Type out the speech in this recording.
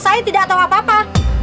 saya tidak tahu apa apa